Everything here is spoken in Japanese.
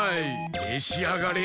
めしあがれ！